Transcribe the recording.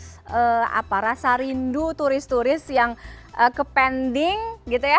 untuk mengobati apa rasa rindu turis turis yang ke pending gitu ya